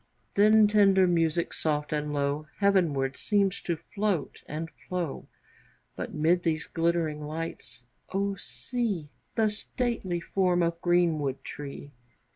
Then tender music, soft and low, Heavenward seems to float and flow, But mid these glittering lights, O see The stately form of greenwood tree!